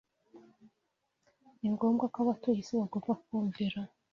ni ngombwa ko abatuye isi bagomba kumvira